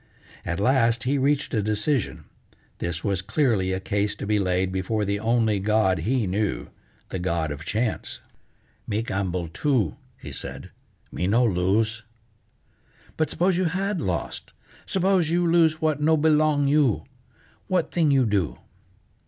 At last he reached a decision: this was clearly a case to be laid before the only god be knew, the god of Chance. "Me gamble too," he said; "me no lose." "But s'pose you had lost? S'pose you lose what no belong you? What thing you do?"